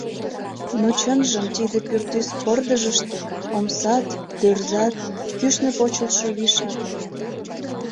Но чынжым тиде пӱртӱс-пырдыжыште омсат, тӧрзат, кӱшнӧ почылтшо вишат уло.